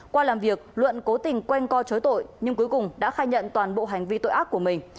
qua làm việc luận cố tình quen co chối tội nhưng cuối cùng đã khai nhận toàn bộ hành vi tội ác của mình